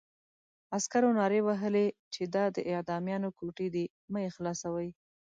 عسکرو نارې وهلې چې دا د اعدامیانو کوټې دي مه یې خلاصوئ.